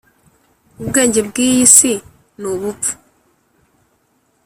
ubwenge bw iyi si ni ubupfu